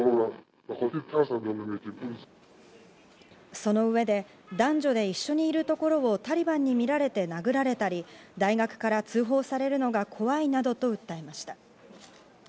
その上で男女で一緒にいるところをタリバンに見られて殴られたり、大学から追放されるのが怖いなどと訴えました。